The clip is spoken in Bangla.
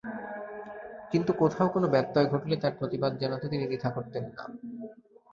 কিন্তু কোথাও কোনো ব্যত্যয় ঘটলে তার প্রতিবাদ জানাতে তিনি দ্বিধা করতেন না।